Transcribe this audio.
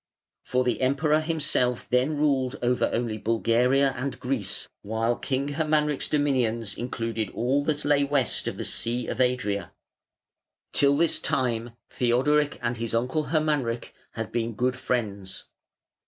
For the Emperor himself then ruled only over Bulgaria and Greece, while King Hermanric's dominions included all that lay west of the Sea of Adria. Till this time Theodoric and his uncle, Hermanric, had been good friends.